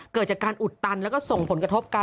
เกิดจากการอุดตันแล้วก็ส่งผลกระทบกัน